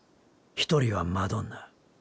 一人はマドンナ。